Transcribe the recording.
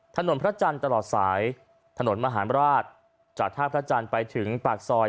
ถนนพระจันทร์ตลอดสายถนนมหารราชจากท่าพระจันทร์ไปถึงปากซอย